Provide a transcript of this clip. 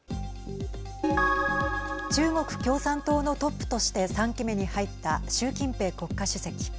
中国共産党のトップとして３期目に入った習近平国家主席。